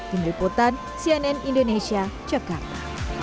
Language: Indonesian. dini liputan cnn indonesia cekang